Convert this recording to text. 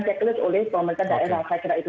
cek list oleh pemerintah daerah saya kira itu